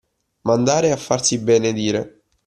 Mandare a farsi benedire.